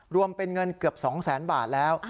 รวมเป็นเงินเกือบ๒แสนบาทแล้ว